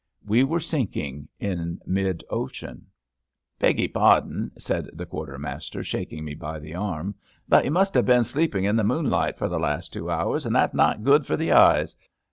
We were sinking in mid ocean. Beg y^ pardon,*^ said the quartermaster, shak ing me by the arm, but you must have been sleeping in the moonlight for the last two hours, and that^s not good for the eyes.